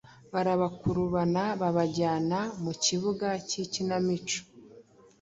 barabakurubana babajyana mu kibuga cy’ikinamico.”